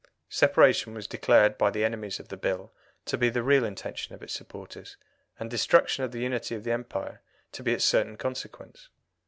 Separation was declared by the enemies of the Bill to be the real intention of its supporters, and destruction of the unity of the Empire to be its certain consequence.